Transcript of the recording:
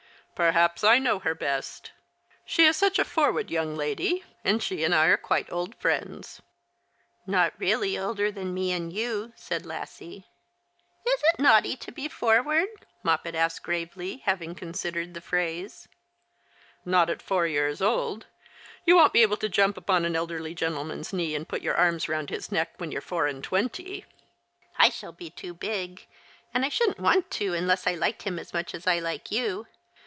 " Perhaps I know her best. She is such a forward young lady, and she and I are quite old friends." " Not really older than me and you," said Lassie. " Is it naughty to be forward ?" Moppet asked gravely, having considered the phrase. "Not at four years old. You won't be able to jump U23on an elderly gentleman's knee and put your arms round his neck when you're four and twenty." " I shall be too big ; and I shouldn't want to unless I liked him as much as I like you.